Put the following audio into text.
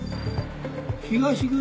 東口